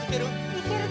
いける？